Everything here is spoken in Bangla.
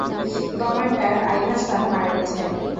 কমান্ডার আইভারসন মারা গেছেন।